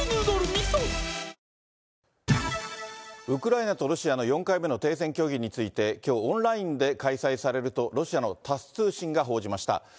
ウクライナとロシアの４回目の停戦協議について、きょう、オンラインで開催されると、ロシアのタス通信が報じました。